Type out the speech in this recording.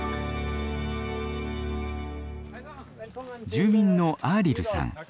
住民のアーリルさん。